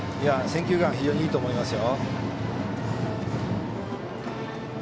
選球眼非常にいいと思いますよ。